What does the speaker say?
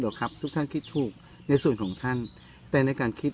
หรอกครับทุกท่านคิดถูกในส่วนของท่านแต่ในการคิด